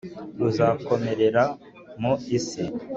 ruzakomerera mu isi